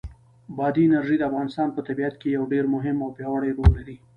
بادي انرژي د افغانستان په طبیعت کې یو ډېر مهم او پیاوړی رول لري.